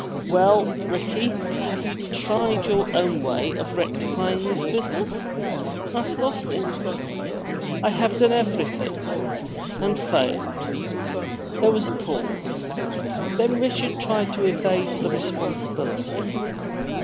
'*Well, Ricky, have you tried your own way of rectifying this business?" asked Austin. "I have done everything." "And failed!" There was a pause, then Richard tried to evade the responsibility.